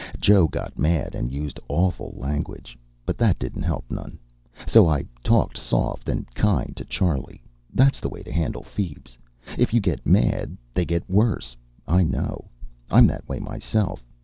Joe got mad and used awful language. But that didn't help none. So I talked soft and kind to Charley. That's the way to handle feebs. If you get mad, they get worse. I know. I'm that way myself.